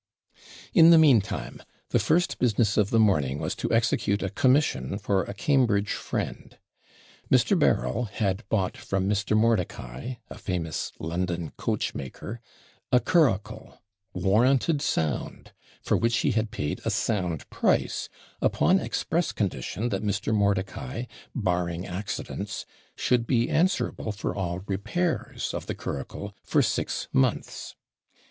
In the meantime, the first business of the morning was to execute a commission for a Cambridge friend. Mr. Berryl had bought from Mr. Mordicai, a famous London coachmaker, a curricle, WARRANTED SOUND, for which he had paid a sound price, upon express condition that Mr. Mordicai, BARRING ACCIDENTS, should be answerable for all repairs of the curricle for six months.